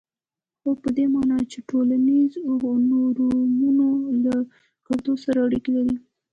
هو په دې معنا چې ټولنیز نورمونه له کلتور سره اړیکه لري.